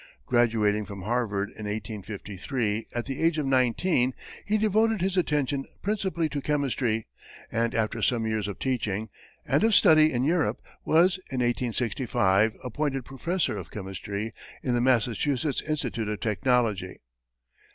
[Illustration: ELIOT] Graduating from Harvard in 1853, at the age of nineteen, he devoted his attention principally to chemistry, and, after some years of teaching, and of study in Europe, was, in 1865, appointed professor of chemistry in the Massachusetts Institute of Technology.